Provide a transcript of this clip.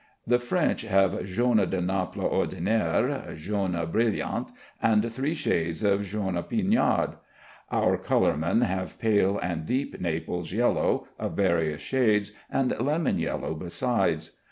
The French have jaune de Naples ordinaire, jaune brilliant, and three shades of jaune Pinard. Our colormen have pale and deep Naples yellow, of various shades, and lemon yellow besides.